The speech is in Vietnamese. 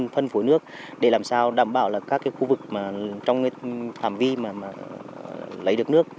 phân phối nước để làm sao đảm bảo các khu vực trong phạm vi lấy được nước